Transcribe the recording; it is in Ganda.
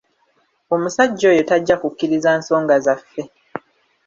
Omusajja oyo tajja kukkiriza nsonga zaffe.